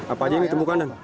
apa aja yang ditemukan